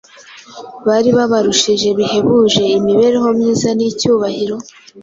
bari babarushije bihebuje imibereho myiza n'icyubahiro,